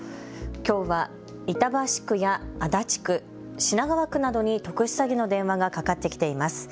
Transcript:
きょうは、板橋区や足立区、品川区などに特殊詐欺の電話がかかってきています。